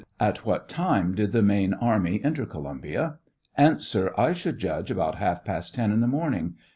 At what time did the main army enter Columbia ? A. I should judge ab'out half past ten in the morning.